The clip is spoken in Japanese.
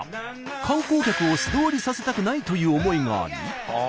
観光客を素通りさせたくないという思いがあり。